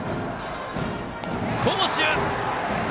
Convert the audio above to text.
好守！